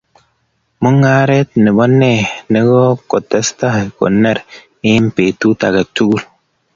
mongaree na bo ne nekoo kutesetai koneere ebg betut age tugul